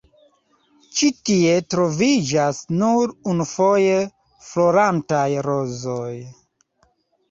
Ĉi tie troviĝas nur unufoje florantaj rozoj.